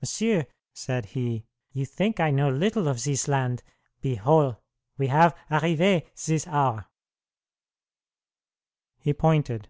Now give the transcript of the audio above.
"M'sieu'," said he, "you think I know little of zis land. Behol'! We are harrive' zis hour." He pointed.